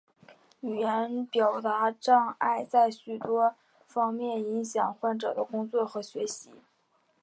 言语表达障碍在许多方面影响患者的工作和学习。